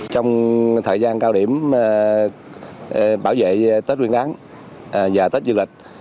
trong thời gian cao điểm bảo vệ tết nguyên đáng và tết du lịch